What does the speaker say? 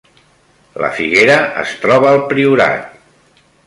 La Figuera es troba al Priorat